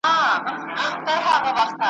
داباران دی که اوبه دي د کوثر